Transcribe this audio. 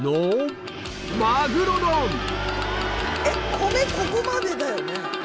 米ここまでだよね？